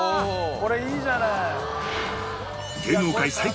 これいいじゃない！